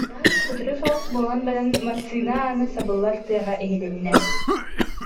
Сотору соҕус буолан баран, массыына аана сабыллар тыаһа иһилиннэ